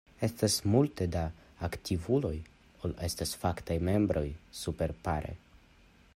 Estas multe pli da aktivuloj ol estas faktaj membroj surpapere.